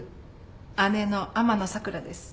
姉の天野さくらです。